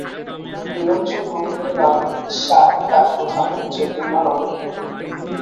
নিরঞ্জন গোবিন্দলাল সা কাঠগুদামে যোগীন-মার অপেক্ষা করিবে।